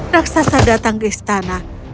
raksasa datang ke istana